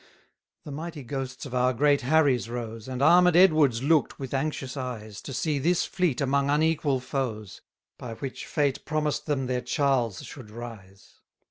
81 The mighty ghosts of our great Harries rose, And armed Edwards look'd with anxious eyes, To see this fleet among unequal foes, By which fate promised them their Charles should rise.